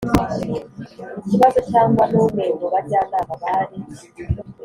Ikibazo cyangwa n umwe mu bajyanama bari